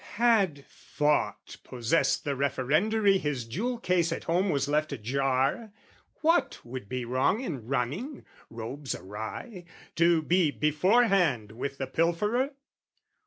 Had thought possessed the Referendary His jewel case at home was left ajar, What would be wrong in running, robes awry, To be beforehand with the pilferer?